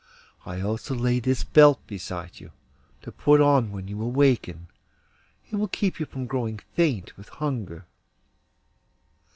I also lay this belt beside you, to put on when you awaken; it will keep you from growing faint with hunger.